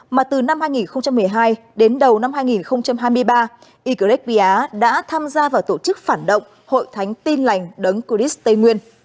mà từ năm hai nghìn một mươi hai đến đầu năm hai nghìn hai mươi ba ycret bia đã tham gia vào tổ chức phản động hội thánh tin lành đấng curis tây nguyên